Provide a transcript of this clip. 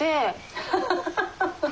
ハハハハ。